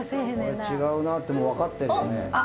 これ違うなってわかってるよね